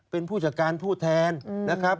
เป็นผู้จัดการผู้แทนนะครับ